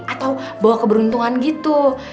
atau bawa keberuntungan gitu